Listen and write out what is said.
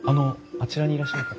あちらにいらっしゃる方。